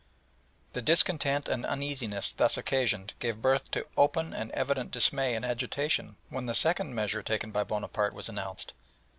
The discontent and uneasiness thus occasioned gave birth to open and evident dismay and agitation when the second measure taken by Bonaparte was announced.